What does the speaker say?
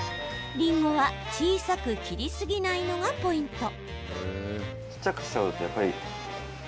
りんごは小さく切りすぎないのがポイント。